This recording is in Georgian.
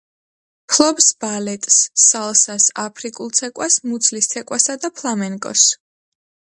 ფლობს ბალეტს, სალსას, აფრიკულ ცეკვას, მუცლის ცეკვასა და ფლამენკოს.